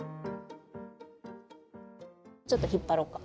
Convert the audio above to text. ちょっと引っ張ろっか。